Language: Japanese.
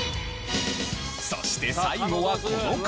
そして最後はこの方。